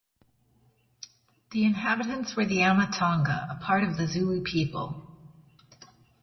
The inhabitants were the Amatonga, a part of the Zulu people.